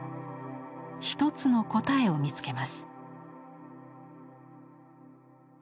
一つの答えを見つけます。